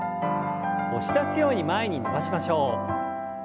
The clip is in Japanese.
押し出すように前に伸ばしましょう。